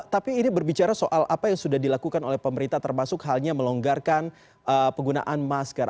tapi ini berbicara soal apa yang sudah dilakukan oleh pemerintah termasuk halnya melonggarkan penggunaan masker